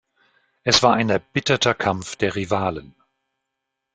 Es war ein erbitterter Kampf der Rivalen.